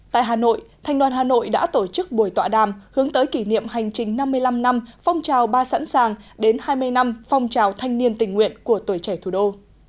tại hà nội thanh đoàn hà nội đã tổ chức buổi tọa đàm hướng tới kỷ niệm hành trình năm mươi năm năm phong trào ba sẵn sàng đến hai mươi năm phong trào thanh niên tình nguyện của tuổi trẻ thủ đô